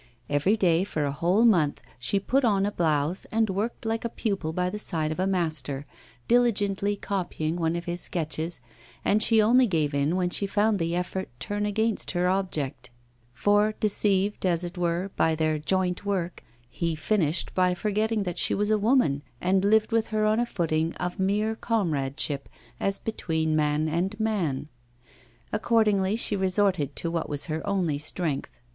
Every day for a whole month she put on a blouse, and worked like a pupil by the side of a master, diligently copying one of his sketches, and she only gave in when she found the effort turn against her object; for, deceived, as it were, by their joint work, he finished by forgetting that she was a woman, and lived with her on a footing of mere comradeship as between man and man. Accordingly she resorted to what was her only strength.